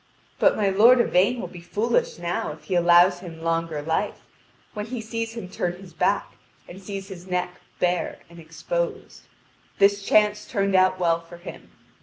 But my lord Yvain will be foolish now if he allows him longer life, when he sees him turn his back, and sees his neck bare and exposed; this chance turned out well for him.